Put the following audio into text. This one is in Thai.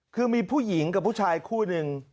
คือมีผู้หญิงกับผู้ชายคู่หนึ่ง